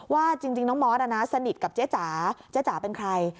ว่าจริงน้องมอสสนิทกับเจ๊จ๋าเจ๊จ๋าเป็นใคร